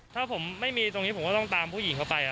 ถ้าผมไม่มีตรงนี้ผมก็ต้องตามผู้หญิงเข้าไป